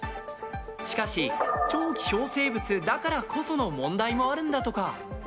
しかし、超希少生物だからこその問題もあるんだとか。